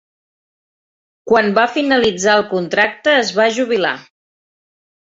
Quan va finalitzar el contracte, es va jubilar.